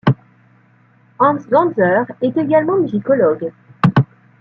Hans Ganser est également musicologue.